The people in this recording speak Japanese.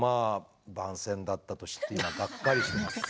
番宣だったと知ってがっかりしています。